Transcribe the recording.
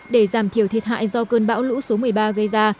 để giảm thiểu thiệt hại do cơn bão lũ số một mươi ba gây ra